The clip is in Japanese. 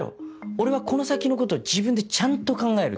俺はこの先のことを自分でちゃんと考えるって。